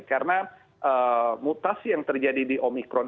karena mutasi yang terjadi di omikron